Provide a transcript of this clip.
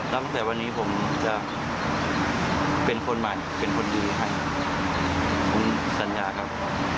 ตั้งแต่วันนี้ผมจะเป็นคนใหม่เป็นคนดีให้คุณสัญญาครับ